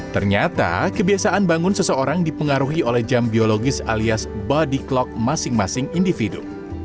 ternyata kebiasaan bangun seseorang dipengaruhi oleh jam biologis alias body clock masing masing individu